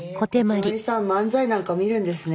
小手鞠さん漫才なんか見るんですね。